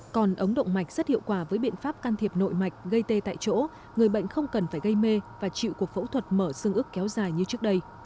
còn ống động mạch rất hiệu quả với biện pháp can thiệp nội mạch gây tê tại chỗ người bệnh không cần phải gây mê và chịu cuộc phẫu thuật mở xương ức kéo dài như trước đây